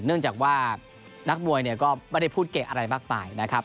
เนื่องจากว่านักมวยเนี่ยก็ไม่ได้พูดเกะอะไรมากมายนะครับ